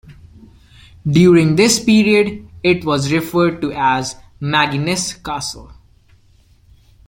During this period it was referred to as Magennis Castle.